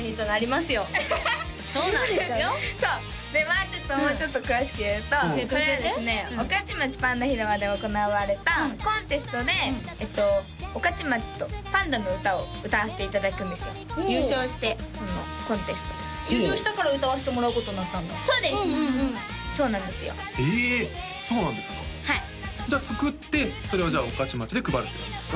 まあちょっともうちょっと詳しく言うとこれはですねおかちまちパンダ広場で行われたコンテストで御徒町とパンダの歌を歌わせていただくんですよ優勝してそのコンテスト優勝したから歌わせてもらうことになったんだそうです！そうなんですよえそうなんですかはいじゃあ作ってそれを御徒町で配るって感じですか？